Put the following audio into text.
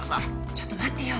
ちょっと待ってよ。